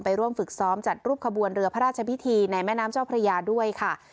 ร่วมฝึกซ้อมจัดรูปขบวนเรือพระราชพิธีในแม่น้ำเจ้าพระยาด้วยค่ะ